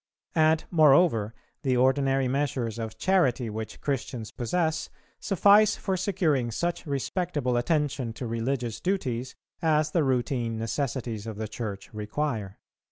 And, moreover, the ordinary measures of charity which Christians possess, suffice for securing such respectable attention to religious duties as the routine necessities of the Church require.